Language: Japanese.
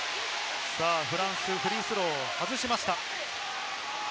フランス、フリースローを外しました。